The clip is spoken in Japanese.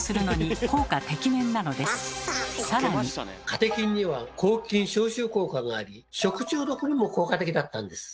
カテキンには抗菌・消臭効果があり食中毒にも効果的だったんです。